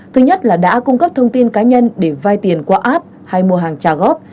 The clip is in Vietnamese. thứ nhất là đã cung cấp thông tin cá nhân để vai tiền qua app hay mua hàng trả góp